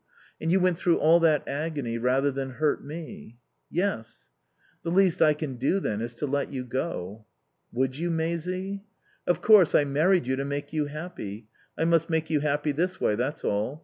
"And you went through all that agony rather than hurt me." "Yes." "The least I can do, then, is to let you go." "Would you, Maisie?" "Of course. I married you to make you happy. I must make you happy this way, that's all.